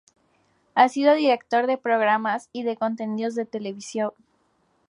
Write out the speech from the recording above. Ha sido director de programas y de contenidos televisivos.